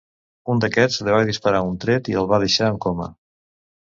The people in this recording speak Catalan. Un d'aquests li va disparar un tret i el va deixar en coma.